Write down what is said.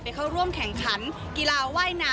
เข้าร่วมแข่งขันกีฬาว่ายน้ำ